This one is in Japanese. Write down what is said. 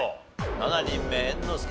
７人目猿之助さん